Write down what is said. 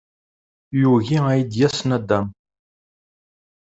Yugi ad iyi-d-yas naddam.